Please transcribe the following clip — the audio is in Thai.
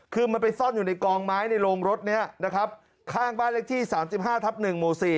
คือมันไปซ่อนอยู่ในกองไม้ในโรงรถนี้นะครับข้างบ้านเลขที่๓๕ทับ๑หมู่๔